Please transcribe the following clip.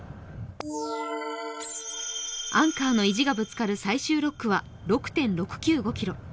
アンカーの意地がぶつかる最終６区は６．６９５ｋｍ。